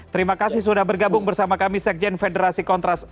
terima kasih sudah bergabung bersama kami sekjen federasi kontras